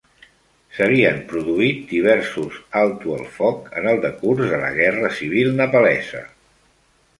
S'havien produït diversos alto el foc en el decurs de la guerra civil nepalesa.